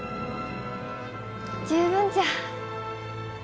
十分じゃ。